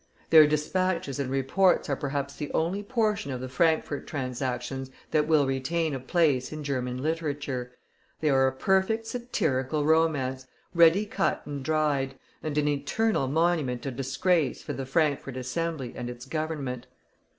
Their despatches and reports are perhaps the only portion of the Frankfort transactions that will retain a place in German literature; they are a perfect satirical romance, ready cut and dried, and an eternal monument of disgrace for the Frankfort Assembly and its Government.